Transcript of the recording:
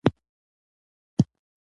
د خلکو منځ کې همزیستي ځانګړې ده.